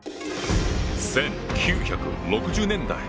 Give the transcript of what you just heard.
１９６０年代